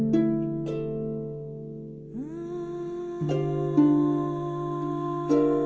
อ๋อมันก็แทบจะไม่ได้รับเหมือนเดียว